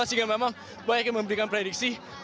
apulasi yang memang banyak yang memberikan prediksi